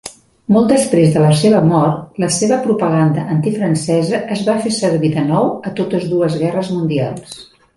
Molt després de la seva mort, la seva propaganda antifrancesa es va fer servir de nou, a totes dues Guerres Mundials.